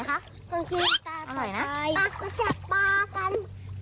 ตาก็กับปลากัน